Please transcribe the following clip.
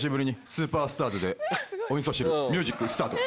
スーパースターズで『お味噌汁』ミュージックスタート。